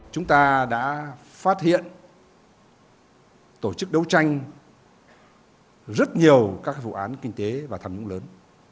chúng ta đã phát hiện tổ chức đấu tranh rất nhiều các vụ án kinh tế và tham nhũng lớn